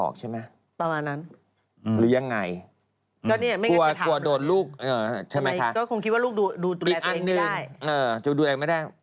คิดว่าดูแลไม่ได้